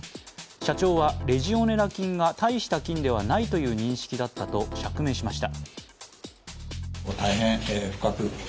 社長はレジオネラ菌が大した菌ではないという認識だったと釈明しました。